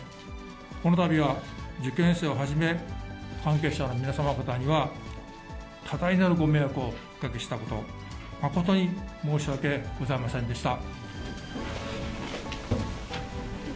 このたびは受験生をはじめ、関係者の皆様方には、多大なるご迷惑をおかけしたこと、誠に申し訳ございませんでした。